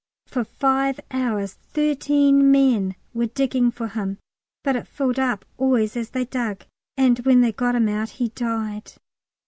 For five hours thirteen men were digging for him, but it filled up always as they dug, and when they got him out he died.